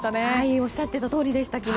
おっしゃっていたとおりでした、昨日。